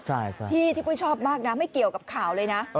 ใช่ที่ปุ้ยชอบมากนะไม่เกี่ยวกับข่าวเลยนะ